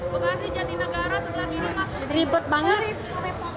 pada saat ini jalan di negara sudah berlalu ribet banget